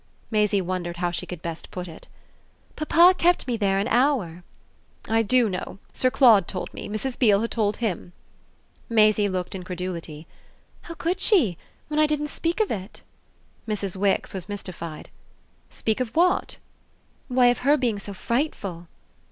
Maisie wondered how she could best put it. "Papa kept me there an hour." "I do know Sir Claude told me. Mrs. Beale had told him." Maisie looked incredulity. "How could she when I didn't speak of it?" Mrs. Wix was mystified. "Speak of what?" "Why, of her being so frightful."